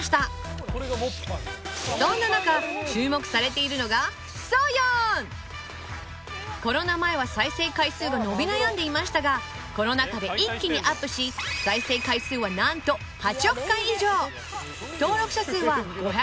そんな中注目されているのがコロナ前は再生回数が伸び悩んでいましたがコロナ禍で一気にアップし再生回数はなんと８億回以上